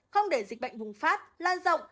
không để dịch bệnh vùng phát lan rộng